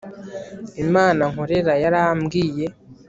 imana nkorera yarambwiye